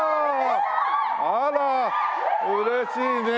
あら嬉しいね。